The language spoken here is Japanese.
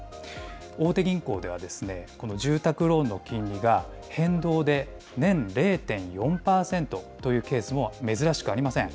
大手銀行では、この住宅ローンの金利が、変動で年０．４％というケースも珍しくありません。